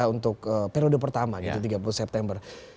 untuk periode pertama gitu tiga puluh september